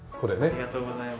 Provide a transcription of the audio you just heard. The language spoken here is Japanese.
ありがとうございます。